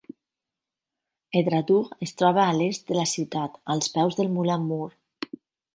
Edradour es troba a l'est de la ciutat als peus del Moulin Moor.